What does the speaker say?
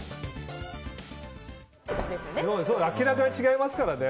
明らかに違いますからね。